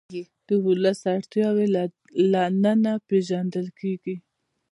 د ولس اړتیاوې له ننه پېژندل کېږي.